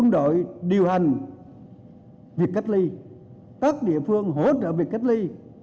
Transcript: đội điều hành việc cách ly các địa phương hỗ trợ việc cách ly